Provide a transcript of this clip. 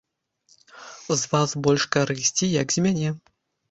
З вас больш карысці, як з мяне.